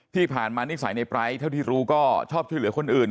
ที่ผ่านมานิสัยในไร้เท่าที่รู้ก็ชอบช่วยเหลือคนอื่น